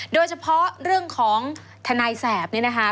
โดยเฉพาะเรื่องของทนายแสบเนี่ยนะคะ